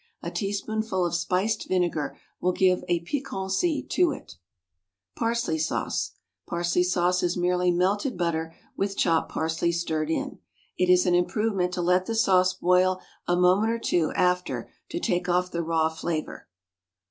A teaspoonful of spiced vinegar will give piquancy to it. =Parsley Sauce.= Parsley sauce is merely "melted butter" with chopped parsley stirred in. It is an improvement to let the sauce boil a moment or two after to take off the raw flavour.